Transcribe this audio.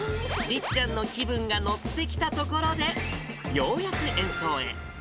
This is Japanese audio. りっちゃんの気分が乗ってきたところで、ようやく演奏へ。